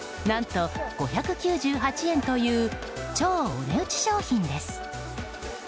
何と５９８円という超お値打ち商品です。